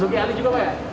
joni allen juga pak